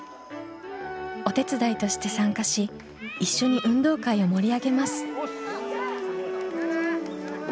お手伝いとして参加し一緒に運動会を盛り上げます。